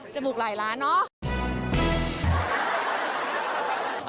บุกหลายล้านเนาะ